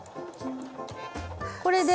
これで。